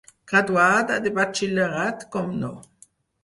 Graduada de Batxillerat com No.